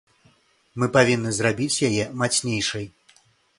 Мы павінны зрабіць яе мацнейшай.